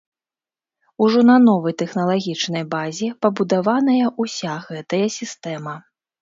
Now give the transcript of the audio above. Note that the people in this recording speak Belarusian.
Ужо на новай тэхналагічнай базе пабудаваная ўся гэтая сістэма.